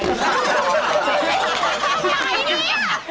พี่เต๋าสมชายเนี่ย